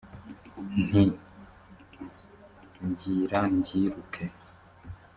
nti “byira mbyiruke”